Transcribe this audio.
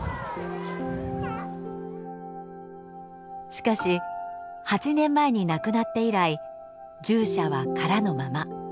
しかし８年前に亡くなって以来獣舎は空のまま。